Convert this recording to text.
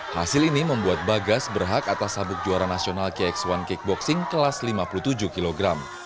hasil ini membuat bagas berhak atas sabuk juara nasional kx satu kickboxing kelas lima puluh tujuh kg